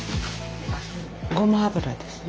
ごま油です。